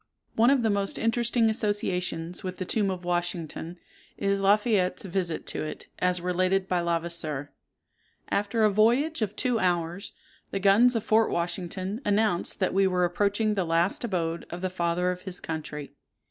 One of the most interesting associations with the tomb of Washington, is La Fayette's visit to it, as related by Levasseur:— "After a voyage of two hours, the guns of Fort Washington announced that we were approaching the last abode of the father of his country.